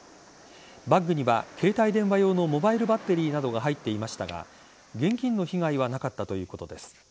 バッグには携帯電話用のモバイルバッテリーなどが入っていましたが現金の被害はなかったということです。